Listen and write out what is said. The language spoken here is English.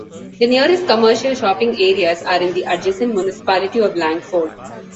The nearest commercial shopping areas are in the adjacent municipality of Langford.